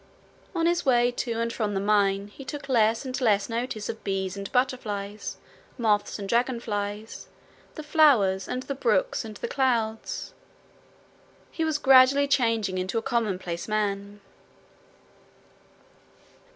On his way to and from the mine he took less and less notice of bees and butterflies, moths and dragonflies, the flowers and the brooks and the clouds. He was gradually changing into a commonplace man.